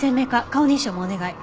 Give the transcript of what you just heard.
顔認証もお願い。